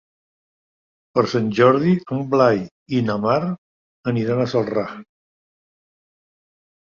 Per Sant Jordi en Blai i na Mar aniran a Celrà.